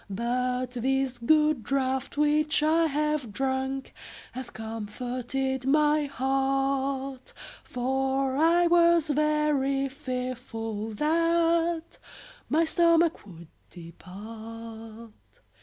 But this good draught which I have drunk Hath comforted my heart, For I was very fearful that My stomach would depart.